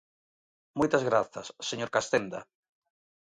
Moitas grazas, señor Castenda.